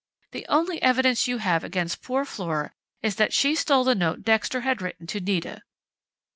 "The only evidence you have against poor Flora is that she stole the note Dexter had written to Nita!"